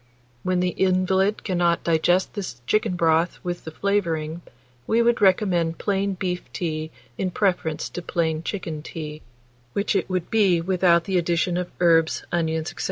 When the invalid cannot digest this chicken broth with the flavouring, we would recommend plain beef tea in preference to plain chicken tea, which it would be without the addition of herbs, onions, &c.